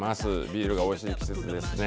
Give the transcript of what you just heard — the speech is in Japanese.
ビールがおいしい季節ですね。